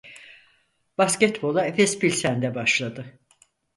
Basketbola Efes Pilsen'de başladı.